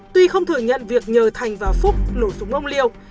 tuy không thừa nhận việc nhờ thành và phúc nổ súng ông liêu